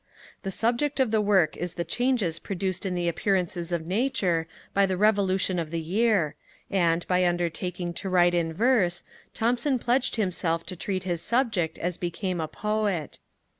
The subject of the work is the changes produced in the appearances of nature by the revolution of the year: and, by undertaking to write in verse, Thomson pledged himself to treat his subject as became a Poet.